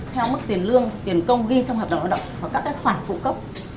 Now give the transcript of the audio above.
theo mức tiền lương tiền công ghi trong hợp đồng lao động có các khoản phụ cốc